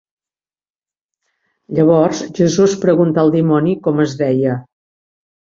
Llavors Jesús preguntà al dimoni com es deia.